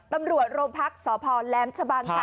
ตำรวจโรงพักษ์สพแหลมชะบังค่ะ